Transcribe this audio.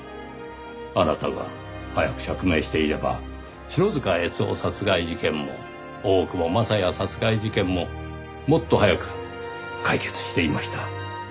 あなたが早く釈明していれば篠塚悦雄殺害事件も大久保雅也殺害事件ももっと早く解決していました。